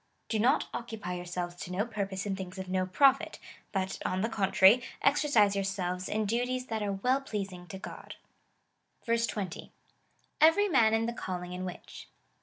" Do not occupy yourselves to no purpose in things of no profit, but, on the contrary, exercise yourselves in duties that are well pleasing to God." 20. Evei^y man in the calling in tuhich.